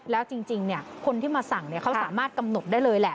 แล้วจริงจริงเนี้ยคนที่มาสั่งเนี้ยเขาสามารถกำหนดได้เลยแหละ